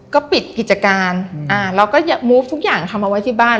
ก็ปิดกิจการอ่าเราก็มูฟทุกอย่างทำเอาไว้ที่บ้าน